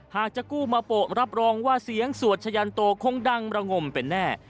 จะกู้มาโปะรับรองว่าเสียงสวดชะยันโตคงดังระงมเป็นแน่